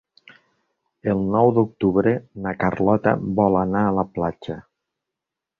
El nou d'octubre na Carlota vol anar a la platja.